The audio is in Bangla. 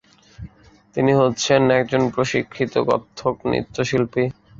তিনি হচ্ছেন একজন প্রশিক্ষিত কত্থক নৃত্যশিল্পী।